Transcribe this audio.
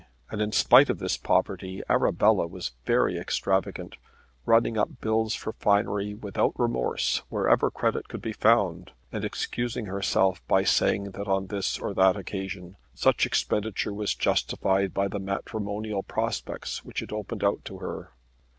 And in spite of this poverty Arabella was very extravagant, running up bills for finery without remorse wherever credit could be found, and excusing herself by saying that on this or that occasion such expenditure was justified by the matrimonial prospects which it opened out to her.